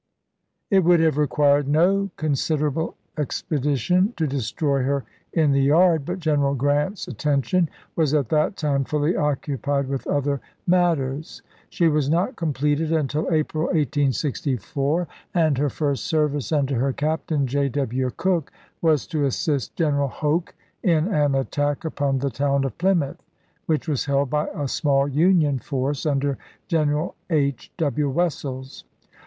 It would have required no considerable expedi tion to destroy her in the yard, but General Grant's attention was at that time fully occupied with other matters. She was not completed until April, 1864, and her first service under her captain, J. W. Cooke, was to assist General Hoke in an attack upon the town of Plymouth, which was held by a small Union force under General H. W. Wessels.